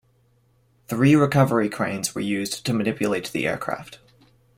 Three recovery cranes were used to manipulate the aircraft.